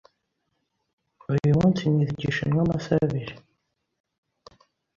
Uyu munsi nize Igishinwa amasaha abiri.